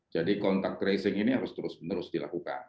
jadi kontak tracing ini harus terus menerus dilakukan